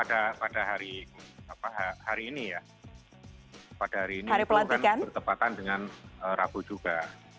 untuk pada hari ini ya pada hari ini itu kan bertepatan dengan rabu juga